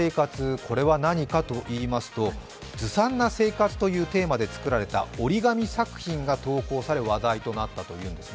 これは何かといいますと、「杜撰な生活」というテーマで作られた折り紙作品が投稿され話題となったというんですね。